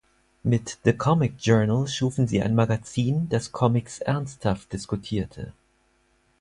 Mit „The Comic Journal“ schufen sie ein Magazin, das Comics ernsthaft diskutierte.